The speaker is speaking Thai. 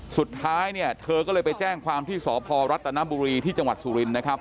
สุดท้ายเนี่ยเธอก็เลยไปแจ้งความที่สพรัฐนบุรีที่จังหวัดสุรินทร์นะครับ